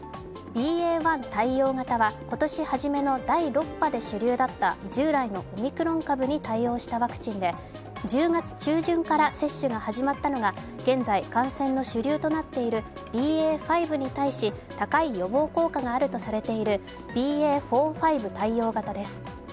１対応型は今年はじめの第６波で主流だった従来のオミクロン株に対応したワクチンで、１０月中旬から接種が始まったのが現在感染の主流となっているＢＡ．５に対し高い予防効果があるとされているＢＡ．４−５対応型です。